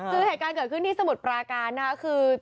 คือเหตุการณ์เกิดขึ้นที่สมุทรปราการนะคะคือ